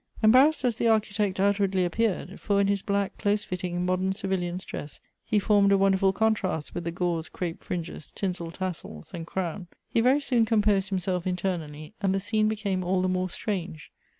Embarrassed as tlie Architect outwardly appeared (for in his black, close fitting, modern civilian's dress, he formed a wonderful contrast with the gauze crape fringes, tinsel tassels, and crown,) he very soon composed himself internally, and the scene became all the more strange.